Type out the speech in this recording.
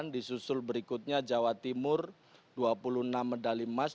dua puluh delapan disusul berikutnya jawa timur dua puluh enam medali emas